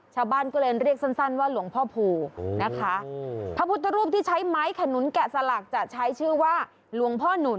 ชาวบ้านก็เลยเรียกสั้นสั้นว่าหลวงพ่อภูนะคะพระพุทธรูปที่ใช้ไม้ขนุนแกะสลักจะใช้ชื่อว่าหลวงพ่อหนุน